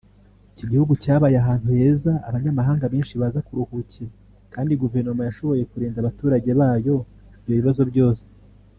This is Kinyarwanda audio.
Iki gihugu cyabaye ahantu heza abanyamahanga benshi baza kuruhukira kandi Guverinoma yashoboye kurinda abaturage bayo ibyo bibazo byose